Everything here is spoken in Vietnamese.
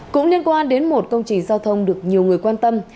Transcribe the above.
cũng liên quan đến một công trình giao thông được nhiều người quan tâm